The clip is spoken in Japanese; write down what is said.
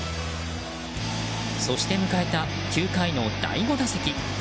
そして迎えた９回の第５打席。